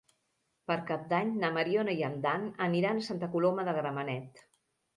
Per Cap d'Any na Mariona i en Dan aniran a Santa Coloma de Gramenet.